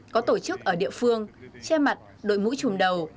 có tổ chức ở địa phương che mặt đổi mũi chùm đầu